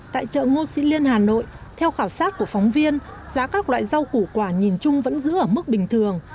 tại chợ ngô sĩ liên hà nội theo khảo sát của phóng viên giá các loại rau củ quả nhìn chung vẫn giữ ở mức bình thường